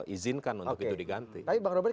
izinkan untuk itu diganti tapi bang robert